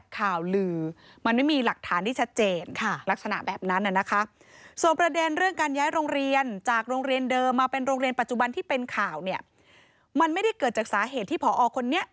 เขาบอกว่าพอตรวจสอบย้อนไป